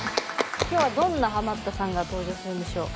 今日はどんなハマったさんが登場するんでしょう？